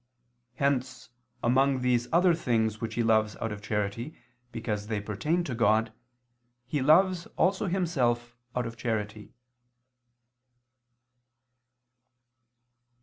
Hence, among these other things which he loves out of charity because they pertain to God, he loves also himself out of charity.